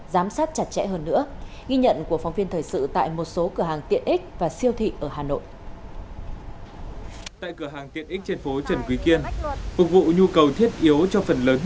giám sát chặt chẽ hơn nữa ghi nhận của phóng viên thời sự tại một số cửa hàng tiện ích và siêu thị ở hà nội